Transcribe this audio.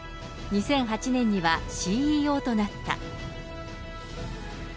２００８年にはＣＥＯとなった。